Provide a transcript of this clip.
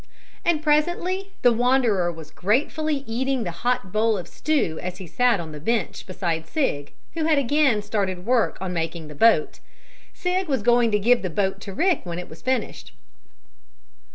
And presently the wanderer was gratefully eating the hot bowl of stew as he sat on the bench beside Sig, who had again started work on making the boat. Sig was going to give the boat to Rick when it was finished.